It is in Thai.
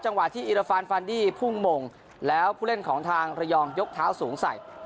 ที่อิราฟานฟานดี้พุ่งหม่งแล้วผู้เล่นของทางระยองยกเท้าสูงใส่